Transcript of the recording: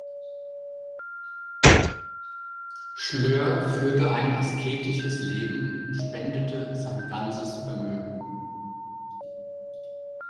Schlör führte ein asketisches Leben und spendete sein ganzes Vermögen.